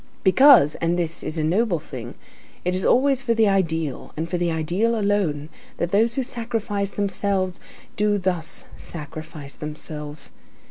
Because, and this is a noble thing, it is always for the ideal, and for the ideal alone, that those who sacrifice themselves do thus sacrifice themselves.